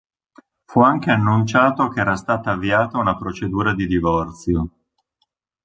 Fu anche annunciato che era stata avviata una procedura di divorzio.